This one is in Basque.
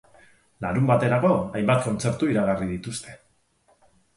Larunbaterako hainbat kontzertu iragarri dituzte.